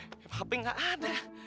tuh hape gak ada